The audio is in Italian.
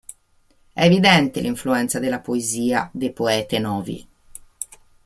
È evidente l'influenza della poesia dei poetae novi.